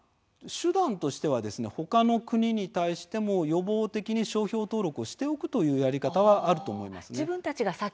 他の国に対しても予防的に商標登録をしておくというやり方もあると思います。